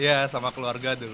ya sama keluarga dulu